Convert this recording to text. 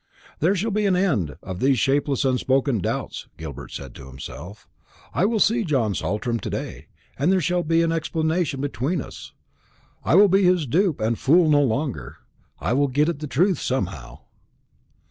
"There shall be an end of these shapeless unspoken doubts," Gilbert said to himself. "I will see John Saltram to day, and there shall be an explanation between us. I will be his dupe and fool no longer. I will get at the truth somehow."